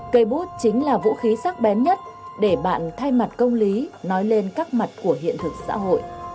cây bút chính là vũ khí sắc bén nhất để bạn thay mặt công lý nói lên các mặt của hiện thực xã hội